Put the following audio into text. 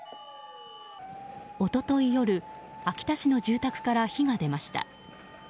一昨日夜秋田市の住宅から火が出ました。